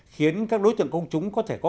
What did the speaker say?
khiến các đối tượng công chúng có thể có